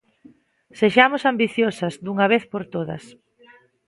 Sexamos ambiciosas, dunha vez por todas.